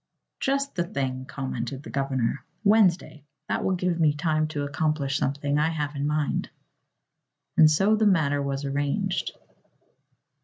"Just the thing," commented the governor. "Wednesday. That will give me time to accomplish something I have in mind." And so the matter was arranged.